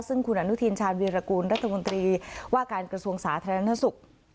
ซึ่งคุณอะนุทินชาญวีรกูลรัฐมนตรีว่าการกระทรวงศาสตร์ธนาศุกร์